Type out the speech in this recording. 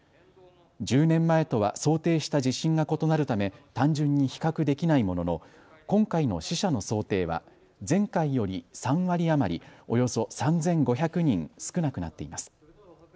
１０年前とは想定した地震が異なるため単純に比較できないものの今回の死者の想定は前回より３割余り、およそ３５００人少なくなっています。